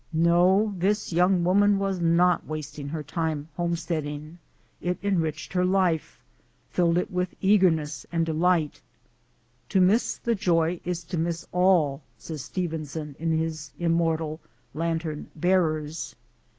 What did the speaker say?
No, this young woman was not wasting her time homesteading; it enriched her life, filled it with eagerness and delight. "To miss the joy is to miss all," says Stevenson in his immortal "Lantern Bearers."